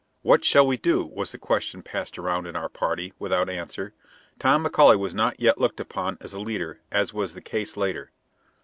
"What shall we do?" was the question passed around in our party, without answer. Tom McAuley was not yet looked upon as a leader, as was the case later.